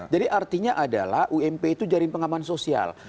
jadi artinya adalah ump itu jaring pengalaman sosial